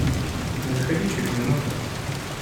Заходи через минуту.